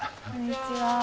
こんにちは。